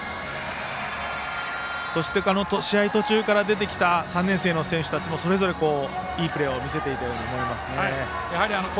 そして、試合途中から出てきた３年生の選手たちもそれぞれいいプレーを見せていたように思いますね。